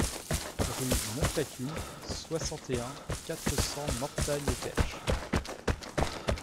Rue Montcacune, soixante et un, quatre cents Mortagne-au-Perche